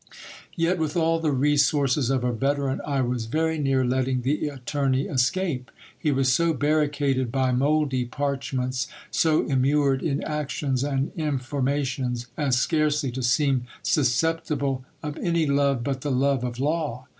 Yet, with all the resources of a veteran, I was very near letting the attorney escape. He was so barricaded by mouldy parch ments, so immured in actions and informations, as scarcely to seem susceptible of any love but the love of law.